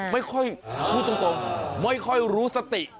ไม่ค่อยพูดตรงไม่ค่อยรู้สติ